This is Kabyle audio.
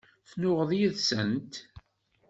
Tennuɣeḍ yid-sent?